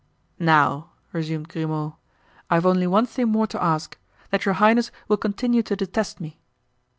"Now," resumed Grimaud, "I've only one thing more to ask—that your highness will continue to detest me."